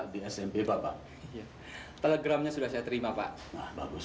di smp bapak telegramnya sudah saya terima pak bagus